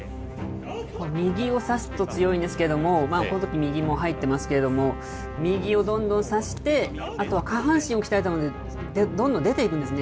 右を差すと強いですけれども、このとき右も入っていますけれども、右をどんどん差してあとは下半身を鍛えたので、どんどん出ていくんですね。